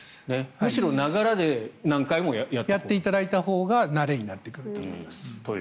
むしろ流れで何回もやっていただいたほうが慣れになってくると思います。